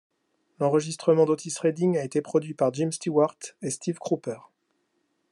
L'enregistrement d'Otis Redding a été produit par Jim Stewart et Steve Cropper.